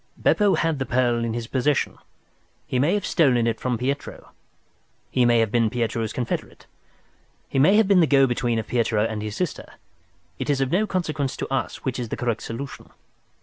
Beppo had the pearl in his possession. He may have stolen it from Pietro, he may have been Pietro's confederate, he may have been the go between of Pietro and his sister. It is of no consequence to us which is the correct solution.